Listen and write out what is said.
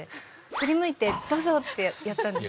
振り向いてどうぞってやったんです。